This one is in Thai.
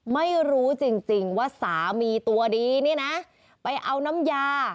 ไม่รู้จริงว่าสามีตัวดีนี่นะไปเอาน้ำยา